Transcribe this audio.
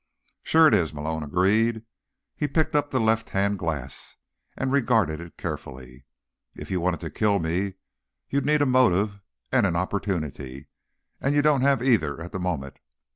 "Sure it is," Malone agreed. He picked up the left hand glass and regarded it carefully. "If you wanted to kill me, you'd need a motive and an opportunity, and you don't have either at the moment.